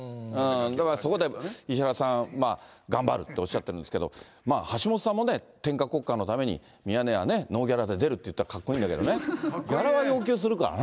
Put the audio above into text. だからそこで、石原さん、頑張るっておっしゃってるんですけど、まあ橋下さんもね、天下国家のためにミヤネ屋、ノーギャラで出るって言ったらかっこいいんだけどね、ギャラは要求するからな。